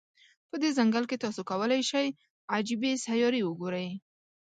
په دې ځنګل کې، تاسو کولای شی عجيبې سیارې وګوری.